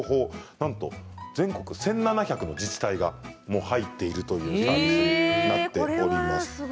なんと全国１７００の自治体が入っているというサービスになっています。